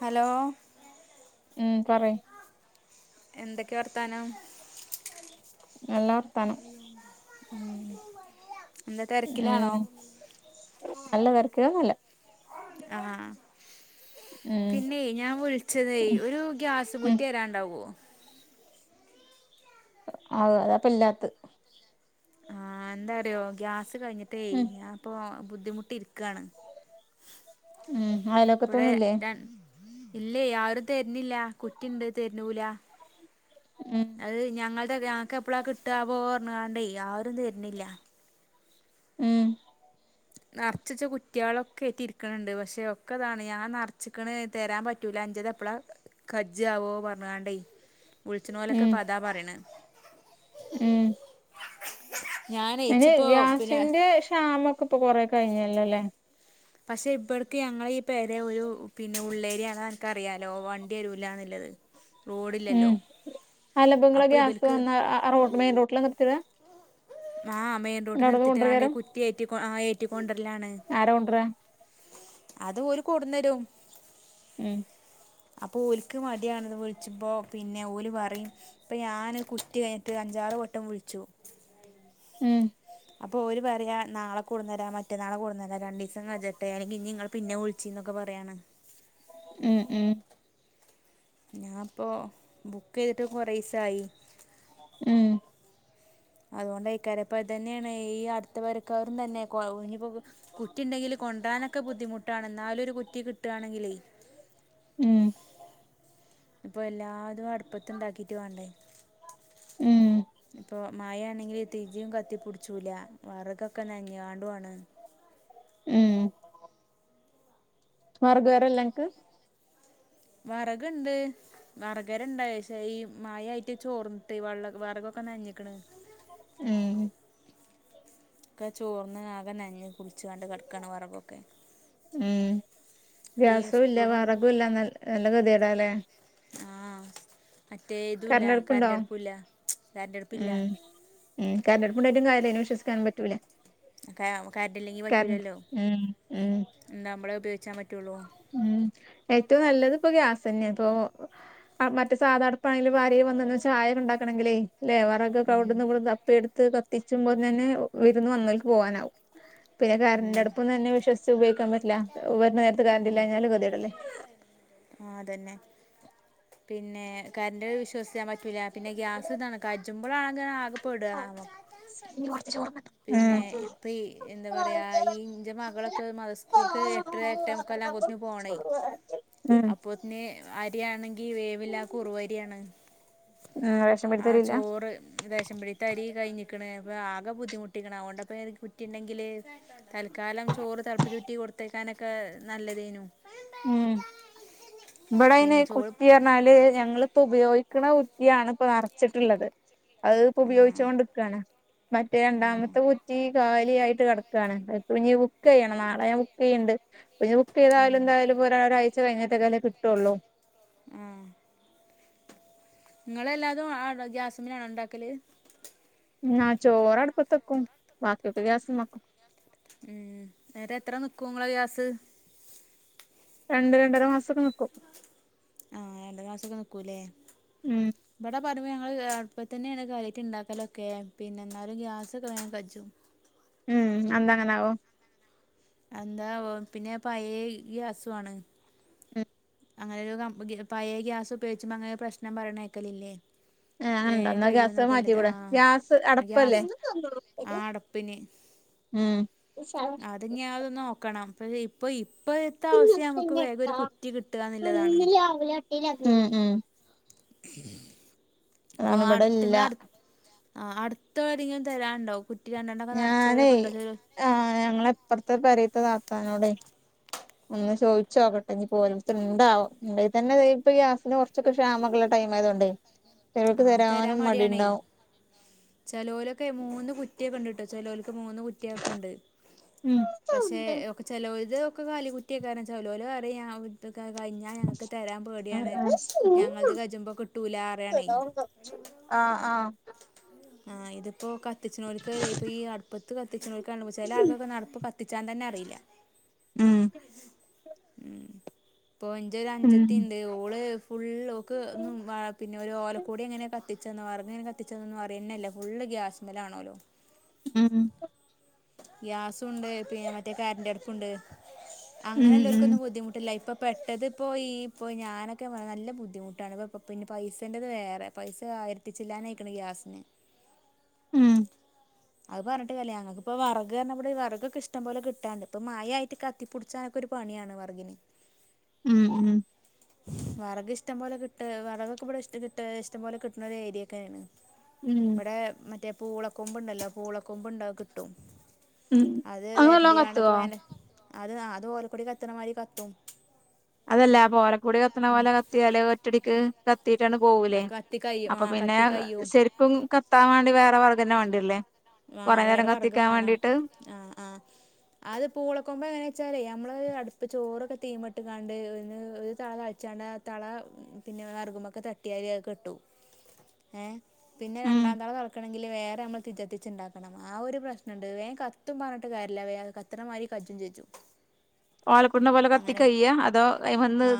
Hello? ഉം പറയ് എന്തൊക്കെ വർത്താനം. നല്ല വർത്താനം [unintelligible] എന്താ തിരക്കിലാണോ ഉം അല്ല തിരക്കില്ലൊന്നുമല്ല ആഹ്. ഉം പിന്നെയേ ഞാൻ വിളിച്ചതെ ഒരു ഗ്യാസ് ഉം കുറ്റി തരാണ്ടാവോ? ആഹ് അതാപ്പൊ ഇല്ലാത്ത ആഹ് എന്താറിയോ ഗ്യാസ് കഴിഞ്ഞിട്ടേ ഉം ഞാൻ ഇപ്പോ ബുദ്ധിമുട്ടിരി ക്കാണ്. ഉം അയലൊക്കതോന്നില്ലേ? ര ഇല്ലേ ആരും തെരണില്ല കുറ്റിണ്ട് തെരണൂല. ഉം അത് ഞങ്ങൾ ഞക്ക് എപ്പളാ കിട്ട പോ ഓ കണ്ടേ ആരും തെരണില്ല. ഉം. നറച്ചച്ച കുറ്റികളൊക്കെ റ്റി ഇരിക്കണണ്ട്. പക്ഷെ ഒക്കെതാണ് ഞൻ നിറച്ചിക്കണ തരാൻ പറ്റൂല അഞ്ചത് എപ്പളാ ഖജ്ജ ആവോ പറഞ്ഞണ്ടേ വിളിച്ചണ ഉം പോലൊക്കപതാ പറയണ്. ഉം ഞാൻ അയിന് ഏച്ചിപ്പോ പിന്നെ ഗ്യാസിന്റെ ക്ഷാമൊക്ക ഇപ്പൊ കൊറ കഴിഞ്ഞല്ലല്ലേ. പക്ഷെ ഇപ്പ ഇടക്ക് ഞങ്ങളെ ഈ പേരെ ഒരു പിന്നെ ഉള്ളേരിയാണ എനക്ക് അറിയാലോ വണ്ടി വരൂല്ലന്നുള്ളത്. ഉം അതല്ലാപ്പം ഇങ്ങളെ അപ്പൊ ഗ്യാസ് ഇബൽക്ക് വന്ന ആ റോട്ട് മെയിൻ റോട്ടിലാ നിർത്തിടാ ആഹ് മെയിൻ റോഡ് നിർത്തിട്ട്ക്കാണ്ടെ ഈ കൊണ്ടരേക്കാരം കുറ്റി ഏറ്റി ആ ഏറ്റിക്കൊണ്ടര്ല്ലാണ് ആരാ കൊണ്ടരാ അത് ഓല് കൊട്ന്നരും. ഉം അപ്പൊ ഓൽക്ക് മടിയാണ്ന്ന് വിൾച്ചുമ്പോ പിന്നെ ഓല് പറിം ഇപ്പ ഞാൻ കുറ്റി കഴിഞ്ഞിട്ട് അഞ്ചാറ് വട്ടം വുൾച്ചു ഉം അപ്പ ഒര് പറയാ നാളെ കൊട്ന്നരാ മറ്റന്നാളെ കൊട്ന്നെരാ രണ്ടീസം കജ്ജട്ടെ അല്ലെങ്കി ഇഞ് ഇങ്ങൾ പിന്നെ വുൾച്ചിന്നൊക്കെ പറയാണ് ഉം ഉം ഞാ ഇപ്പൊ ബുക്ക് ചെയ്തിട്ട് കൊറീസായി ഉം അതുകൊണ്ടയിക്കാരം, ഇപ്പൊ, അതന്നെയാണ്, ഈ അടുത്ത, പെരക്കാരും, തന്നെ [unintelligible] ഇനിയിപ്പോ കുറ്റി ഉണ്ടെങ്കില് കൊണ്ട്രാനൊക്കെ ബുദ്ധിമുട്ടാണ് എന്നാലും ഒരു കുറ്റി കിട്ടാണെങ്കിലേ.. ഉം ഇപ്പ, എല്ലാതും, അടുപ്പത്ത്ണ്ടാക്കീട്ട്, വാണ്ടേ? ഉം ഇപ്പോ മായയാണെങ്കിൽ തീച്ചും കത്തിപ്പു ടിച്ചൂല വറകൊക്കെ നനഞ്ഞാണ്ടാണ് ഉം വർഗ്‌പെരല്ലൻക്ക്? വറകുണ്ട്, വറഗുപെരെണ്ട്, പഷേ, ഈ, മയായിട്ട്, ചോർന്നിട്ട്, വെള്ള, വറകൊക്കെ, നനഞ്ഞുക്കണ്. ഉം. ഒക്കെ, ചോർന്ന്, ആകെ, നനഞ്ഞ്, കുളിച്ചണ്ട്, കടക്കാണ്, വറകൊക്കെ. ഉം അപ്പം ഈ ഗ്യാസും ഇല്ല സ്കൂൾക്കും വറകും ഇല്ല നല് നല്ല ഗതിയേഡാ ലെ ആ മറ്റേ ഇതുല്ല കരണ്ടടുപ്പുണ്ടോ, കരണ്ടടുപ്പുല്ല ഉ കരണ്ടടുപ്പില്ല ഉ, കരണ്ടടുപ്പുണ്ടായാലും, കാര്യയന്, വിശ്വസിക്കാൻ പറ്റ ല [unintelligible] കരണ്ടല്ലെങ്കി പറ്റൂലല്ലോ ഉം ഉം എന്താ നമ്മള ഉപയോഗിച്ചാൻ പറ്റ [unintelligible] ഉം ഏറ്റവും നല്ലത് ഇപ്പൊ ഗ്യാസ് തന്നെയ ഇപ്പൊ മറ്റേ സാധാഅടുപ്പാണെങ്കിലും ആരേലും വന്നാ ചായ ഉണ്ടാക്കണമെങ്കില്ലേ ല്ലെ വറകൊക്കെ ഉം അവിടന്ന് ഇവിടന്ന് തപ്പി എടു ത്ത് കത്തിച്ചുമ്പോൾ തന്നെ വിരുന്ന് വന്നോൽക്ക് പോകാനാവും. പിന്നെ കറന്റു ഉം അടുപ്പും തന്നെ വിശ്വസിച്ച് ഉപയോഗിക്കാൻ പറ്റില്ല [unintelligible] ആ കറണ്ടില്ലായ്‌നാലും ആ അതന്നെ [unintelligible] പിന്നെ കറന്റ് വിശ്വസിക്കാൻ പറ്റൂല പിന്നെ ഗ്യാസ് ഇതാണ് കജുമ്പോളാണെങ്കി ആകെ പെടാ [unintelligible] ഉം ഈന്റെ മകളൊക്കെ മത സ്കൂൾക്ക് എട്ടര എട്ടെ മുക്കാൽ ആവുമ്പോത്തിനു പോണേ ഉം അപ്പത്തിന് അരിയാണെങ്കി വേവില്ല കുറുവരിയാണ്. ഉം റേഷൻ ആ പീടിത്തേലില്ല ചോറ് റേഷൻപ്പീടിതരി കഴിഞ്ഞി [unintelligible] അപ്പ ആകെ ബുദ്ധിമുട്ടിക്കാണ് അതൊണ്ടപ്പോഞാൻ കുറ്റിണ്ടെങ്കില് തൽക്കാലം ചോറ് തളപ്പിചൂറ്റി കൊടുത്ത് ക്കാനൊക്കെ നല്ലതേനു ഉം ഇവിടെയിന് പിന്നെ ചോറ് കുട്ടി പറഞ്ഞാല് ഞങ്ങളിപ്പോ ഉപയോഗിക്ക ക്കണ കുട്ട്യാണ് ഇപ്പൊ നിറച്ചിട്ടുള്ളത് അത് ഇപ്പ ആ ഉപയോഗിച്ചോണ്ടുക്കാണ് മറ്റേ ആ രണ്ടാമത്തെ കുറ്റി കാലിയായി ട്ട് കിടക്കാണ് അ ഇപ്പ ഇനി ബുക്ക് എയ്യണം നാളെ ഞാൻ ബുക്ക് എയ്യ്ണ്ട് ഇപ്പഞ് ബുക്ക്‌ ആ ചെയ്താലും എന്തായാലും ഇപ്പൊ ഒര ഒരാഴ്ച കഴിഞ്ഞ് തരോ ല്ലേ കിട്ടൊള്ളൂ ഉം നിങ്ങളെ എല്ലാതും ആണോ ഗ്യാസുമേലാണ് ഉണ്ടാക്കല് ഉം ന്നാ ചോറ് അടുപത്ത് വെക്കും ബാക്കി ഒക്കെ ഗ്യാസ്മെക്കും ഉം നേരെ എത്ര നിക്കൂ ഇങ്ങളെ ഗ്യാസ് രണ്ടു രണ്ടര മാസൊക്കെ നിക്കും ആഹ് രണ്ടര മാസൊക്കെ നിക്കൂല്ലേ ഉം ബടെ പ ഇന്ന് പ്പ ഞങ്ങൾ അട്പ്പത്തെന്നെ കാര്യായ്ട്ട് ഇണ്ടാക്കലൊക്കെ പിന്നെ ഇന്നാലും ഗ്യാസൊക്കെ വേഗം കജും ഉം അന്താങ്ങനാവൊ എന്താ വം പിന്നെ പഴയ ഗ്യാസു ആണ് ഉം അങ്ങനെ ഒരു പയേ ഗ്യാസ് ഉപയോഗിച്ചുമ്പോ അങ്ങനെ പ്രശ്നം പറയണേക്കലില്ലേ ഏ അങ്ങനണ്ടോ എന്നാ ഗ്യാസ് അത് മാറ്റികൂടേ ആഹ് ഗ്യാസ് അടപ്പല്ലേ ഗ്യാസ് ആ അടപ്പിന് ഉം അത് ഇഞ്യാ അത് നോക്കണം പക്ഷെ ഇപ്പൊ ഇപ്പഴത്തെ ഉ അവസ്ഥ നമുക്ക് ഉം വേഗം ഒരു കുറ്റി കിട്ടുകാന്നുള്ളതാണ് [unintelligible] അതാണ് ബടല്ല ആഹ് അടുത്താരെങ്കിലും തരാണ്ടോ കു ഞാനേ ആഹ് ഞങ്ങളെ ഇപ്പറത്തെ പെരേ ത്ത താത്താനോടെ ഒന്ന് ചോയിച്ചോക്കട്ടെ ഇനിപ്പോലട്ത്ത് ഉണ്ടോ ആവം ഇണ്ടേതന്നെ ഇപ്പ ഗ്യാസിന് കുറച്ചൊക്കെ ക്ഷാമക്കൊള്ള ടൈം ആയതൊണ്ടേ ആഹ് തരാൻ മടിയാണേ ചെലോരൊക്കെ മൂന്ന് കുറ്റിയൊക്കണ്ട് ചേലോൽ ക്ക് മൂന്ന് കുറ്റിയൊക്കെ ഉണ്ട് ഉം പക്ഷെ ഒക്കെ ചേലോല്ത് ഒക്കെ കാലി കുറ്റിയേക്കാരം ചെലോലറിം [unintelligible] ക്കെ കഴിഞ്ഞാൽ ഞങ്ങൾക്ക് തരാൻ ഉം പേടിയാണ് ഞങ്ങളത് ഉം കജ്ജുമ്പോ കിട്ടൂല പറയാണേ ആഹ് ആഹ് ആഹ് ഇതിപ്പോ കത്തിച്ണോൽക്കല്ലെ ഇപ്പൊ ഈ അടുപ്പത്ത് കത്തിച്ചണോ ചെല ആർക്കൊക്കെ അടുപ്പ് കത്തിച്ചാൻ തന്നെ അറിയില്ല ഉം ഉം ഇപ്പൊ എന്റെ ഒരു ഉം അനുജത്തിയുണ്ട് ഓള് ഫുള്ളും ക്കും പിന്നെ ഒരു ഓലക്കൂടി എങ്ങനെ പിച്ചന്ന് പറഞ്ഞ് ഒരു കത്തി കത്തിച്ചതന്നന്ന് പറയുന്നല്ലേ ഫുള്ള് ഗ്യാസ്സ്മെൽ ആണോല്ലോ മ്മ് ഗ്യാസുണ്ട് പിന്നെ മറ്റേ കറൻ്റ് അടുപ്പുണ്ട് അങ്ങനെ ഉം എല്ലെർക്കൊന്നും ബുദ്ധിമുട്ടില്ല ഇപ്പൊ പെട്ടത് ഇപ്പോയി ഇപ്പോ ഞാനൊക്കെ നല്ല ബുദ്ധിമുട്ടാണ് ഇപ്പോ പിന്നെ പൈസേൻ്റെത് വേറെ പൈസ ആയിരത്തി ചില്ല്വാനായിക്കണ് ഗ്യാസിന് ഉം അത് പറഞ്ഞിട്ട് കാര്യല്ല ഞങ്ങൾക്ക് ഇപ്പൊ വെറക് തന്നെ ഇവടെ വെറക് ഒക്കെ ഇഷ്ടം പോലെ കിട്ടാന്ണ്ട് ഇപ്പം മയയായിട്ട് കത്തിപ്പിടിച്ചാനൊക്കെ ഒരു പണിയാണ് വെറകിന് മ്മ് മ്മ് വറക് ഇഷ്ടം പോലെ കിട്ടും വിറകൊക്കെ ഇവടെ ഇഷ്ട്ടം ഇഷ്ടംപോലെ കിട്ടുന്ന ഒരു ഏരിയ ഒക്കെയാണ് ഉം ഇവിടെ മറ്റേ പൂള കൊമ്പുണ്ടല്ലോ പൂള കൊമ്പുണ്ടാകും മ്മ് അതെല്ലാം വരണ്ടിയാണൊക്കെ കത്തുവോ വേന അത് അത് ഓലക്കൂടി കത്തണമാതിരി കത്തും അതല്ലപ്പോ ഓലക്കൂടി കത്തണ പോലെ കത്തിയാല് ഒറ്റടിക്ക് കത് കത്തീട്ടാണ് പോകൂലെ കത്തി കയ്യും ആ അപ്പൊ പിന്നെ കത്തി കയ്യും ശരിക്കും കത്താൻ വേണ്ടി വേറെ വെറക് [unintelligible] വേണ്ടിയല്ലെ ആഹ് വേറെ വെറക് വേണം ആഹ് ആഹ് അത് പൂളക്കൊമ്പ് എങ്ങന വെച്ചാലേ നമ്മ നമ്മള് അടുപ്പ് ചോറൊക്കെ തീയുമെയിട്ട് കാണ്ട് ഒരു തെള തെളച്ചാണ്ട് ആ തെള പിന്നെ വെറകുമൊക്കെ തട്ടിയാൽ അതൊക്കെ കെട്ടുപോകും ഏഹ് പിന്നെ ഉം രണ്ടാം തെള തെളയ്ക്കണെ [unintelligible] വേറെ അമ്മക്ക് [unintelligible] [unintelligible] ഇണ്ടാക്കണം ആ ഒരു പ്രശ്നോണ്ട്. വേഗം കത്തും പറഞ്ഞിട്ട് കാര്യല്ല വേഗം കത്തണ മാതിരി [unintelligible] [unintelligible] പോലെ കത്തി അങ്ങനെ കയിയോ അതോ വന്ന് ആ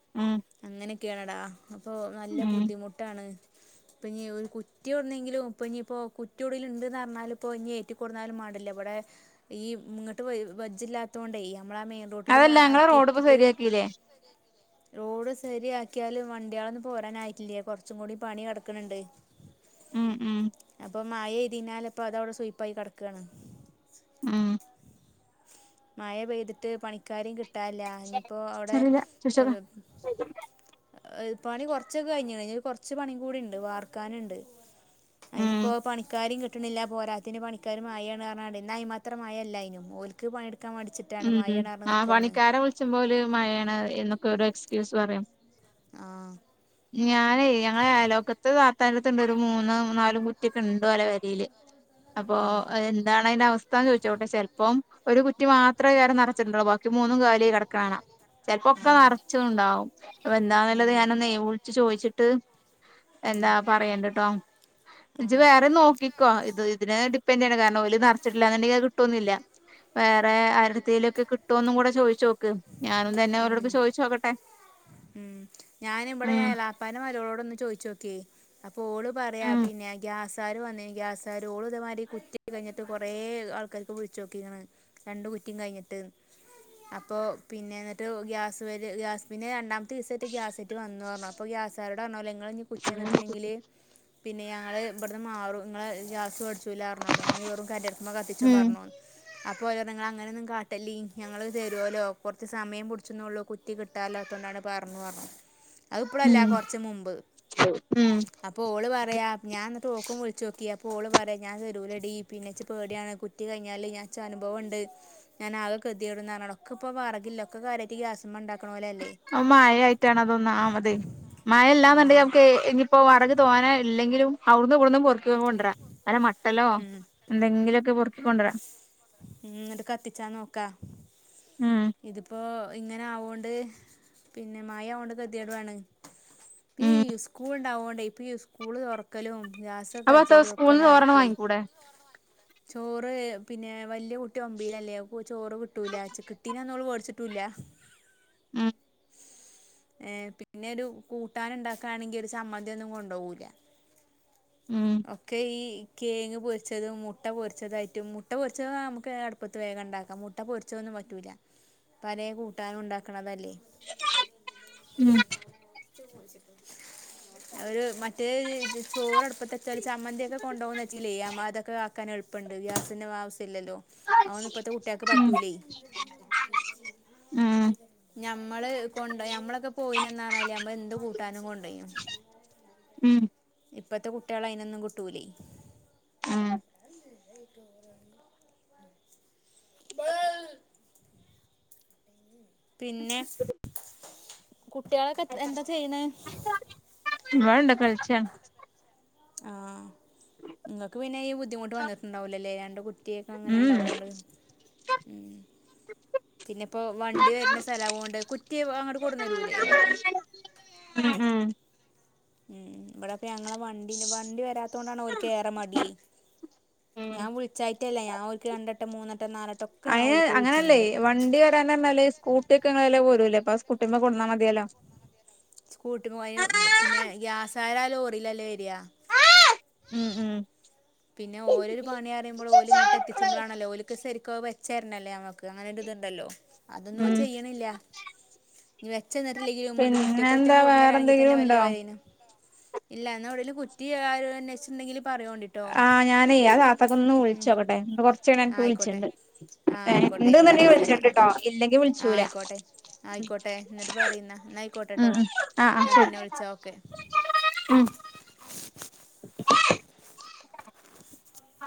[unintelligible] അങ്ങനെ [unintelligible] അപ്പൊ നല്ല ഉം ബുദ്ധിമുട്ടാണ്. ഇപ്പൊ ഇനി ഒരു കുറ്റി ഏവിടുന്നെങ്കിലും ഇപ്പൊ ഇനിയിപ്പോ കുറ്റിയെവിടേലും ഇണ്ട്ന്ന് അറിഞ്ഞാല് ഇപ്പോ ഇനിയെ [unintelligible] മാണ്ടില്ല. ഇവിടെ ഈ ഇങ്ങട്ട് വ വജ്ജില്ലാത്തോണ്ടെ നമ്മള മെയിൻ റോട്ടില് [unintelligible] അതല്ല ഞങ്ങളെ റോഡ് ഇപ്പോ എറക്കിയിട്ടിട്ട് ശരിയാക്കില്ലേ റോഡ് സെരിയാക്കിയാല്, വണ്ടികളൊന്നും ഇപ്പൊ ഓടാനായിട്ടില്യേ കൊറച്ചും കൂടി പണി കിടക്കണ് ണ്ട് ഉം ഉം മയെയ്തിനാല് ഇപ്പ അതവാടെ സുയ്പ്പായി കെടക്കാണ് ഉം മയ പെയ്തിട്ട് പണിക്കാരിറ കി ട്ടാൻല്ല ഇനിപ്പോ അവ്ടെ ചെറിയ എ ശിശക ഏ പണി കൊർച്ചൊക്കെ കഴിഞ്ഞ്ണ് ഇ കൊർച്ച് പണിങ്കൂടിണ്ട് വാർക്കാനിണ്ട് ഉം അയ്നിപ്പോ പണിക്കാരിം കി ട്ടിണില്ല പോരാത്തേന് പണിക്കാരും മയാണർഞ്ഞാണ്ടെ ഇന്നാ അയ്മാത്രം മയ ഇല്ലായിനും ഓല്ക്ക് പണി ഉം ആ പണിക്കാരെ വിൾച്ചുമ്പോല് മയാണ് എന്നൊക്കെ ഓരോ എക്സ്ക്യൂസ് പറയും ആ ഞാനെയ് ഞങ്ങളെ അയ്ലോക്കത്ത് അ ത്താന്റെട്ത്തിണ്ട് ഒരു മൂന്ന്‌ നാലും കുറ്റിയൊക്കെ ഇണ്ട് ഓല പെരേല് അപ്പൊ ഉം എന്താണ് അയ്ന്റെ അവസ് ചോദിച്ചോട്ടെ ചെൽപ്പോം ഒരു കുറ്റി മാ ത്രേ വേറെ നറച്ചിട്ടിണ്ടാവു ബാക്കി മൂന്നും കാലിയായി കടക്കിണെ കാണാ ചെലപ്പൊക്കെ ആ നർച്ചതുണ്ടാവും അപ്പൊ എന്താന്നില്ലത് ഉം ഞാനൊന്നെയ് വിളിച്ച് ചോയ്ച്ചി ട്ട് എന്താ ഉം പറയണ്ട് ട്ടോ ആ ഇജ് വേറിം നോക്കിക്കോ ഇത് ഇതിന് ഡിപൻഡെയ്യണ്ട കാരണം ഓല് നെറച്ചിട്ടില്ലാന്നിണ്ടെങ്കി അത് കിട്ടൊന്നുല്ല വേറെ ആരെ തേലൊക്കെ കിട്ടോന്നും കൂടെ ചോയെച്ചോ ഉം ഉം ഞാനിവിടെ ഉം എളാപ്പാന്റെ മര്യോളോടൊന്ന് ചോയിച്ചോക്കി ക്കി അപ് പ്പോള് പറയാ ഉം പിന്നെ ഗ്യാസ് ആര് വന്നീ ഗ്യാസാരോളിതെ മാരി കുറ്റി കൈഞ്ഞിട്ട് കൊറേ ആൾക്കാർക്ക്‌ വിളിച്ചോക്കീക്ക്ണ് രണ്ട് കുറ്റിം കയിഞ്ഞിട്ട് പ്പോ പിന്നെന്നിട്ട് ഗ്യാസ് വര് ഗ്യാസ് പിന്നെ രണ്ടാ [unintelligible] അപ്പൊ ഗ്യാസാരോടർഞ്ഞോലോ ഇ ങ്ങളിഞ്ഞ് കുറ്റ്യന്ന്ട്ടില്ലെങ്കില് പിന്നെ ഞങ്ങള് ഇവിടുന്ന് മാറും ഇങ്ങളെ ഗ്യാസ് പ ഊല അർഞ്ഞോലൊ ഇഞ്ഞ് വെറും കര്ൻ്റട്പിമ്മെ കത്തിച്ചും ഉം പർഞ്ഞു അപ്പൊ ഓരർഞ് ഇങ്ങളങ്ങനൊന്നും കാട്ടല്ലീ ഞങ്ങള് ര്വോലോ കൊർച്ച് സമയം പുട്ച്ചും ന്നൊള്ളൂ കുറ്റി കിട്ടാല്ലാത്തോണ്ടാണ് പർഞ്ഞു അറിഞ്ഞു അത് ഇപ്പളല്ല ഉം കുറച്ച് മുമ്പ് ഉം അപ്പൊ ഓള് പറയാ ഞാൻ ഇന്നിട്ട് ഓൾക്ക് വിളിച്ചോക്കി അപ്പോള് പറയാ ഞാൻ തെരൂലടി പിന്നെച്ച പേടിയാണ് കുറ്റികഴിഞ്ഞാല് ഞാൻച്ച അനുഭവണ്ട് ഞാൻ ആകെ ഗതി കെടും ക്ക് ഇപ്പൊ വറകില്ല ഒക്കെ കാര്യായിട്ട് ഗ്യാസ്സു മഴ ആയിട്ടാണ് അതൊന്നാമത്. ആ മഴല്ലാന്നുണ്ടെങ്കിൽ നമുക്ക് ഇനിയിപ്പോ വെറക് തോനാ ഇല്ലെങ്കിലും അവിടുന്നുവിടുന്നും കൊ കൊണ്ടരാം വല്ല മട്ടലോ എന്തെങ്കിലുമൊക്കെ കൊണ്ടോരാ ന്നട്ട്കത്തിച്ചാ നോക്കാ ഉം ഇതിപ്പോ ഇങ്ങനെ ആവോണ്ട് പിന്നെ മയ ആവൊണ്ട് കതിയട് ആണ് ഈ ഉം സ്കൂൾണ്ടാവോണ്ട് [unintelligible] സ്കൂള് തൊറക്കലും അപ്പൊ അത്ത സ്കൂളിന്ന് ചോറെണ്ണം [unintelligible] വാങ്ങിക്കൂടെ ചോറ് പിന്നെ വല്യ കുട്ടി ഒമ്പീലല്ലേ അവക്ക് ചോറ് കിട്ടൂല ച കിട്ടിനന്ന് ഓള് വേടിച്ച ട്ടൂല്ലാ ഉം ഏ പിന്നെ ഒരു കൂട്ടാനണ്ടാക്കാണെങ്കിൽ ഒരു ചമ്മന്തീം ഒന്നും കൊണ്ടോകൂല്ല. ഉം ഒക്കെ ഈ കേങ്ങ് പൊരിച്ചതും മുട്ട പൊരിച്ചതായിട്ടും മുട്ട പൊരിച്ചത് നമുക്ക് അടുപ്പത്ത് വേഗം ണ്ടാക്കാം. മുട്ട പൊരിച്ചതൊന്നും പറ്റൂല പലേ കൂട്ടാനും ണ്ടാക്ക്ണതല്ലേ. ഉം ഒരു മറ്റേ ചോറടുപ്പത്തെ ചാല് ചമ്മന്തിക്കെ കൊണ്ടോന്ന് ച്ചാല് അമ്മ അതൊക്കെ ആക്കാൻ എളുപ്പണ്ട് ഗ്യാസിന്റെ ആവശ്യംല്ലല്ലോ അഒന്നും ഇപ്പത്തെ കുട്ട്യാക്ക് ഉം പറ്റൂല്ലേ ഉം ഞമ്മള് കൊണ്ട ഞമ്മളൊക്കെ പോയിനന്ന് പറഞ്ഞല് നമ്മള് എന്ത് കൂട്ടാനും കൊണ്ടോയിനു ഉം ഇപ്പത്തെ കുട്ട്യാള് അയിനൊന്നും കിട്ടൂല്ലേ ഉം പിന്നെ കുട്ട്യാളൊക്കെ എന്താ ചെയ്യ് ണെ [unintelligible] കളിച്ചാ ആ ങ്ങക്ക് പിന്നെ ഈ ബുദ്ധിമുട്ട് വന്നിട്ടുണ്ടാവൂല്ലല്ലേ രണ്ട് കുറ്റിയൊക്കെ അങ്ങനെ ഉം ഇണ്ടാവോണ്ട് ഉം പിന്നെ പ്പോ വണ്ടി വരുന്ന സ്ഥലം ആവൊണ്ട് കുറ്റി അങ്ങോട്ട് കൊടുന്നെരൂല്ലേ ഉം ഉം ഇവിടെപ്പം ഞങ്ങളെ വണ്ടിണ്ട് വണ്ടി വരാത്തോണ്ടാണ് ഓൽക്ക് ഏറെ മടി ഉം ഞാൻ വിളിച്ചായിട്ടല്ല ഞാൻ ഓല്ക്ക് രണ്ടട്ടം മൂന്നട്ടം നാലട്ടം ഒക്കെ ഞാൻ അയിന് ഓൽ അങ്ങനല്ലേ വണ്ടി വരാൻന്നല്ലേ സ്കൂട്ടി ഒക്കെ ഇങ്ങല്ല പോവൂല്ലേ പ്പ സ്‌കൂട്ടിമേ കൊടുന്നാ മതിയല്ലോ സ്കൂട്ടിമ പോയാ പിന്നെ ഗ്യാസായര ലോറിലല്ലെ വെരിയാ ഉം ഉം പിന്നെ ഓരോരു പണി അറുമ്പോൾ ഓല് ഇങ്ങോട്ടെത്തിച്ചുമ്പോളാണല്ലോ ഓലക്ക് ശരിക്കും വെച്ചരണല്ലേ നമ്മക്ക് അങ്ങനെ ഇതുണ്ടല്ലോ അതൊന്നും ഉം ചെയ്യണില്ല ചെന്നിട്ടില്ലെങ്കിലുണ്ട് പിന്നെ മുറ്റത്തെക്കെ എന്താ വേറെ കൊണ്ടുവന്നരാങ്കി തന്നെ എന്തെങ്കിലും വലൃയ ഉണ്ടോ കാര്യണ് ഇല്ല എന്നാ എവിടെലും കുറ്റി ആര് അന്വേഷിച്ചുട്ടുണ്ടെങ്കിൽ പറയണ ആഹ് ഞാനാ താത്തക്കൊന്ന് വിളിച്ചു നോക്കട്ടെ കൊ ആ എനിക്ക് ആയിക്കോട്ടെ വിളിച്ചിണ്ട് ആ ആയിക്കോട്ടെ ആയിക്കോട്ടെ എന്തെന്നുണ്ടെങ്കി എന്നാ ശരി വിളിച്ചിണ്ട്ട്ടോ ഇല്ലെങ്കിൽ ആ വിളിച്ചൂല ആയിക്കോട്ടെ ആയിക്കോട്ടെ എന്നിട്ട് പറയുന്ന എന്നാ ഉം ആയിക്കോട്ടെട്ടോ ഞാൻ പിന്നെ വിളിച്ചാ ഓക്കെ ആ